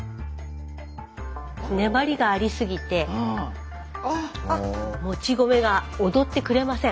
粘りがありすぎてもち米がおどってくれません。